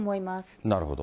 なるほど。